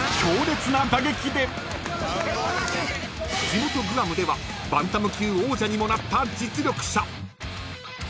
［地元グアムではバンタム級王者にもなった実力者］